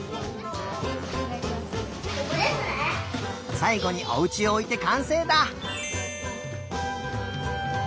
さいごにおうちをおいてかんせいだ！